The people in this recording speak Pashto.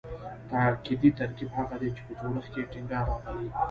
تاکیدي ترکیب هغه دﺉ، چي په جوړښت کښي ئې ټینګار راغلی یي.